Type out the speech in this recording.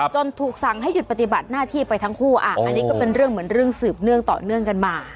ถูกสั่งให้หยุดปฏิบัติหน้าที่ไปทั้งคู่อันนี้ก็เป็นเรื่องเหมือนเรื่องสืบเนื่องต่อเนื่องกันมา